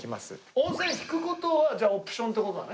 温泉引く事はじゃあオプションって事だね？